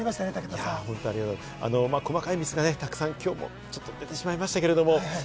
細かいミスがたくさん今日もやってしまいましたけれども。